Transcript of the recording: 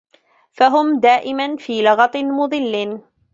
فَهُمْ دَائِمًا فِي لَغَطٍ مُضِلٍّ